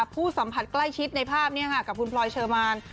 ผู้สัมผัสใกล้ชิดในภาพนี้กับคุณพลอยเชอร์มาน